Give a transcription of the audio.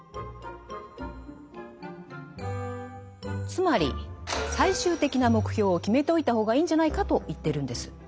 つまり最終的な目標を決めておいた方がいいんじゃないかと言ってるんです。